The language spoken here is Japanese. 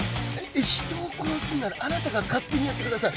人を殺すならあなたが勝手にやってください！